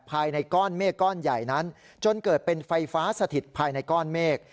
ภายในก้อนเมฆก้อนใหญ่นั้นจนเกิดเป็นไฟฟ้าสถิตภายในก้อนเมฆ